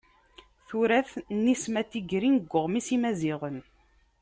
Tura-t Nisma Tigrin deg uɣmis n yimaziɣen.